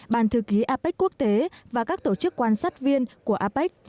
bàn thư ký apec quốc tế và các tổ chức quan sát viên của apec